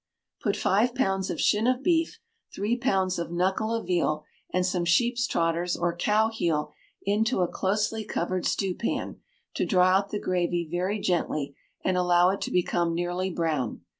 Put five pounds of shin of beef, three pounds of knuckle of veal, and some sheep's trotters or cow heel into a closely covered stewpan, to draw out the gravy very gently, and allow it to become nearly brown.